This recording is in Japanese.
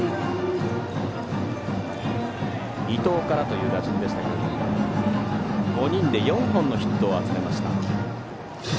伊藤からという打順でしたが５人で４本のヒットを集めました。